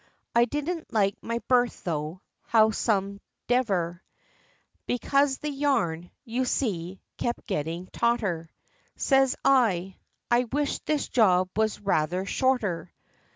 I didn't like my berth tho', howsomdever, Because the yarn, you see, kept getting tauter, Says I I wish this job was rayther shorter!